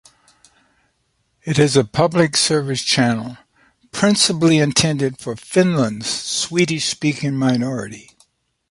It is a public-service channel principally intended for Finland's Swedish-speaking minority.